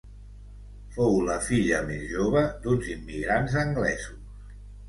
Fou la filla més jove d'uns immigrants anglesos.